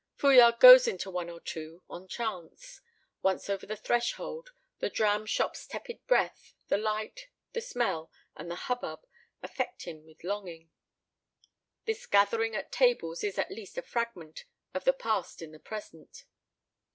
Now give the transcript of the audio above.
Fouillade goes into one or two, on chance. Once over the threshold, the dram shop's tepid breath, the light, the smell and the hubbub, affect him with longing. This gathering at tables is at least a fragment of the past in the present.